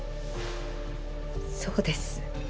そうです。